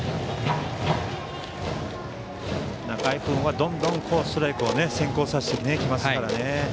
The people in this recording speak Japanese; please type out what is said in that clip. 仲井君はどんどんストライクを先行させてきますからね。